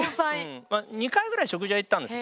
２回ぐらい食事は行ったんです。